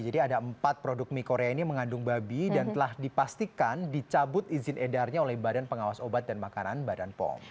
jadi ada empat produk mie korea ini mengandung babi dan telah dipastikan dicabut izin edarnya oleh badan pengawas obat dan makanan badan pong